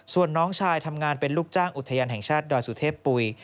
ส่วนน้องชายทำงานเป็นลูกจ้างอุทยานแห่งชาติดอยสุเทพปุ๋ย